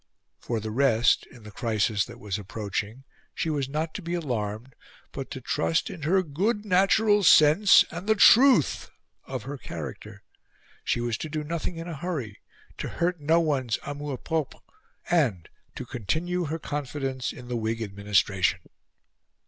For the rest, in the crisis that was approaching, she was not to be alarmed, but to trust in her "good natural sense and the TRUTH" of her character; she was to do nothing in a hurry; to hurt no one's amour propre, and to continue her confidence in the Whig administration!